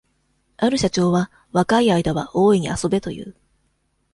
ある社長は、若い間はおおいに遊べという。